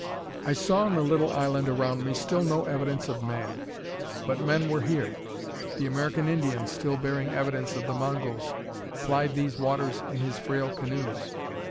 I saw on the little island around me still no evidence of man. But men were here. The American Indian, still bearing evidence of the Mongols, plied these waters in his frail canoes.